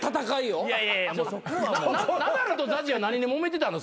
ナダルとＺＡＺＹは何でもめてたの？